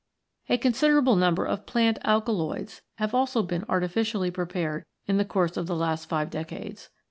A con siderable number of plant alkaloids have been also artificially prepared in the course of the last five decades.